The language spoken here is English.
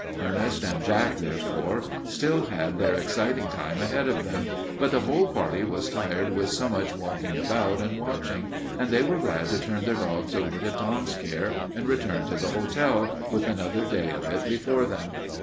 Ernest and Jack, therefore, still had their exciting time ahead of them, but the whole party was tired with so much walking about and watching, and they were glad to turn their dogs over to Tom's care and return to the hotel, with another day of it before them.